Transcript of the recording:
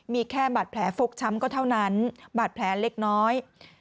มีแค่บาดแผลฟกช้ำก็เท่านั้นบาดแผลเล็กน้อย